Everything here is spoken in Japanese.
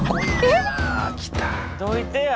どいてや！